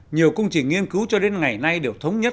nhiều công trình nghiên cứu cho đến ngày nay đều thống nhất